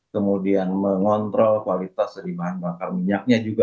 kemudian mengontrol kualitas sediakan bakar minyaknya juga